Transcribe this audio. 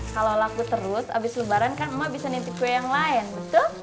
kalo laku terus abis lebaran kan emak bisa nitip gue yang lain betul